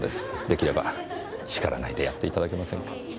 できれば叱らないでやっていただけませんか？